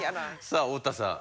さあ太田さん。